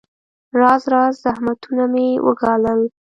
راز راز زحمتونه مې وګالل.